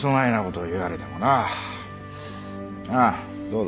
ああどうぞ。